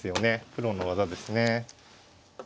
プロの技ですね。